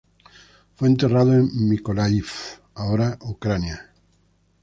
Fue enterrado en Mykolaiv, ahora Ucrania.